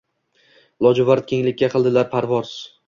Lojuvard kenglikka qildilar parvoz.